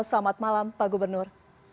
selamat malam pak gubernur